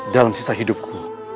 dalam sisa hidupku